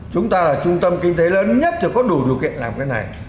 chúng ta là trung tâm kinh tế lớn nhất thì có đủ điều kiện làm cái này